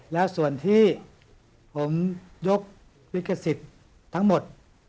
แล้วส่วนที่ผมยกลิขสิทธิ์ทั้งหมด